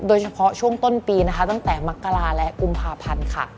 โดยเฉพาะช่วงต้นปีนะคะตั้งแต่มกราและกุมภาพันธ์ค่ะ